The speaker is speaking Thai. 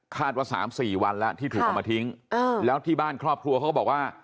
ว่า๓๔วันแล้วที่ถูกเอามาทิ้งแล้วที่บ้านครอบครัวเขาก็บอกว่า